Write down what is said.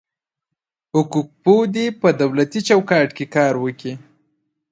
حقوق پوه دي په دولتي چوکاټ کي کار وکي.